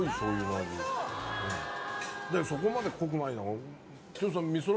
だけどそこまで濃くないな。